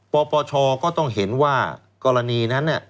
ปปชก็ต้องเห็นว่ากรณีนั้น